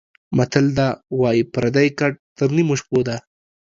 متل ده:واى پردى ګټ تر نيمو شپو ده.